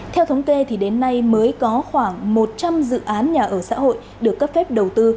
theo thống kê thì đến nay mới có khoảng một trăm linh dự án nhà ở xã hội được cấp phép đầu tư